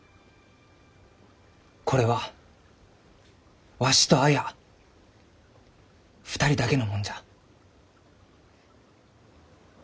これはわしと綾２人だけのもんじゃ。